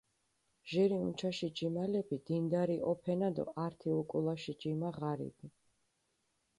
ჟირი უნჩაში ჯიმალეფი დინდარი ჸოფენა დო ართი უკულაში ჯიმა ღარიბი.